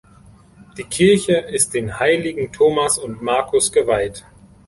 Die Kirche ist den Heiligen Thomas und Markus geweiht.